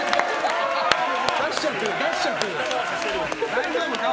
大丈夫か？